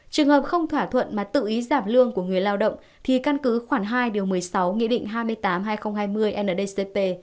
trường hợp không thỏa thuận mà tự ý giảm lương của người lao động thì căn cứ khoảng hai một mươi sáu nghị định hai mươi tám hai nghìn hai mươi ndcp